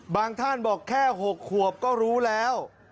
ท่านบอกแค่๖ขวบก็รู้แล้ว